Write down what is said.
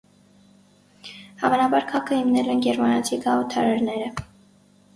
Հավանաբար քաղաքը հիմնել են գերմանացի գաղութարարները։